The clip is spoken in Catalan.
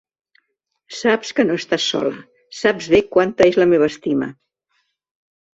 Saps que no estàs sola, saps bé quanta és la meva estima.